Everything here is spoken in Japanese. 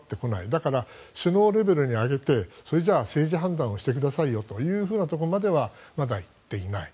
だから、首脳レベルに上げてそれじゃあ政治判断をしてくださいというところまではまだいっていない。